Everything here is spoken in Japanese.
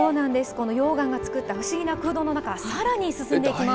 この溶岩が作った不思議な空洞の中、さらに進んでいきます。